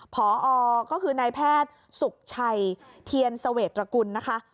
พอก็คือนายแพทย์สุขชัยเทียนเสวตระกุลนะคะ